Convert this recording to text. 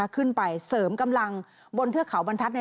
ขึ้นไปเสริมกำลังบนเทือกเขาบรรทัศน์